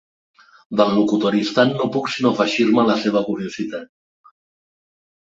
Del locutori estant no puc sinó afegir-me a la seva curiositat.